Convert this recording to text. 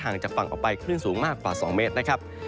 จากฝั่งออกไปคลื่นสูงมากกว่า๒เมตรนะครับ